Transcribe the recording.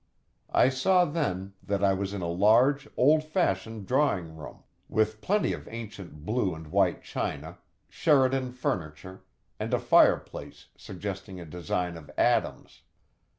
I saw then that I was in a large, old fashioned drawing room, with plenty of ancient blue and white china, Sheraton furniture, and a fireplace suggesting a design of Adams'.